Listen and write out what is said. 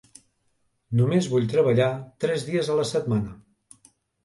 Només vull treballar tres dies a la setmana.